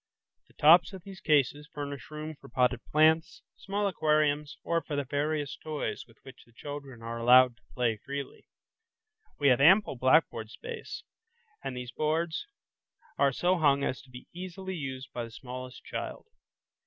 The tops of these cases furnish room for potted plants, small aquariums, or for the various toys with which the children are allowed to play freely. We have ample blackboard space, and these boards are so hung as to be easily used by the smallest child.